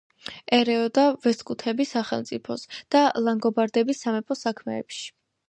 ერეოდა ვესტგუთების სახელმწიფოს და ლანგობარდების სამეფოს საქმეებში.